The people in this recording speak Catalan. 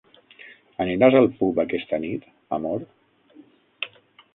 Aniràs al pub aquesta nit, amor?